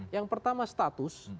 yang pertama status